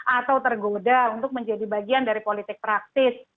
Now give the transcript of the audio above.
atau tergoda untuk menjadi bagian dari politik praktis